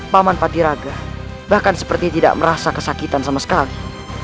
paman patiraga bahkan seperti tidak merasa kesakitan sama sekali